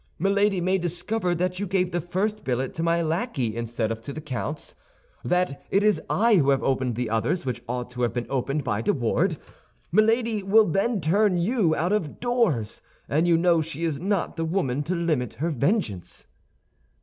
Milady may discover that you gave the first billet to my lackey instead of to the count's; that it is I who have opened the others which ought to have been opened by de Wardes. Milady will then turn you out of doors, and you know she is not the woman to limit her vengeance."